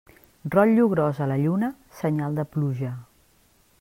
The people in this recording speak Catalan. Rotllo gros a la lluna, senyal de pluja.